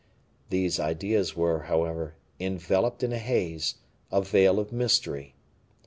These ideas were, however, enveloped in a haze, a veil of mystery.